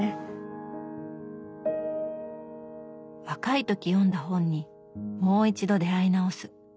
若い時読んだ本にもう一度出会い直す。